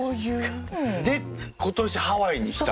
で今年ハワイにした？